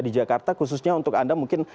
di jakarta khususnya untuk anda mungkin